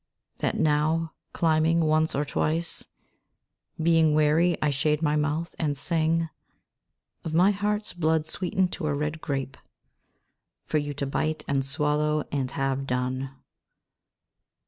That now, climbing, once or twice Being weary I shade my mouth and sing Of my heart's blood sweetened to a red grape For you to bite and swallow and have done.